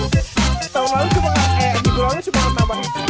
tahun lalu di gulau nya cuma menambah